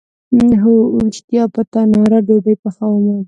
هو ریښتیا، په تناره ډوډۍ پخومه